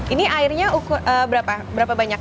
ini airnya ukur berapa banyak